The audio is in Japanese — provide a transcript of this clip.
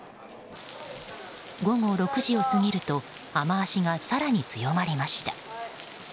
午後６時を過ぎると雨脚が更に強まりました。